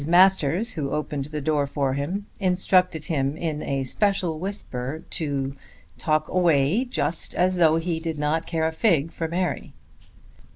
Masters who opened the door for him instructed him in a special whisper "to talk away just as though he did not care a fig for Mary."